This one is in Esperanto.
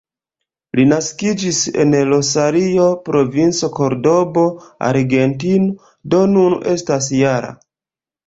Li naskiĝis en Rosario, Provinco Kordobo, Argentino, do nun estas -jara.